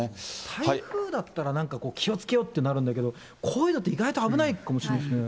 台風だったらなんか、気をつけようってなるんだけど、こういうのって意外と危ないかもしれないですね。